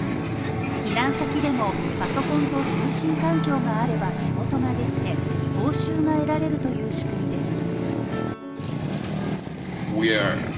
避難先でも、パソコンと通信環境があれば、仕事ができて報酬が得られるという仕組みです。